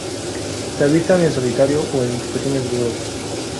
Se avistan en solitario o en pequeños grupos.